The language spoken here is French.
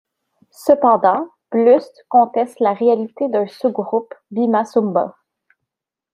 Cependant, Blust conteste la réalité d'un sous-groupe bima-sumba.